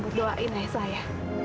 buat doain ya saya